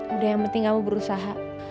udah yang penting kamu berusaha